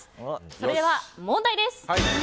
それでは問題です。